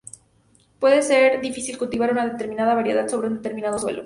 Puede ser difícil cultivar una determinada variedad sobre un determinado suelo.